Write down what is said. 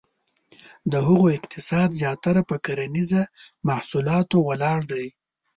د هغو اقتصاد زیاتره په کرنیزه محصولاتو ولاړ دی.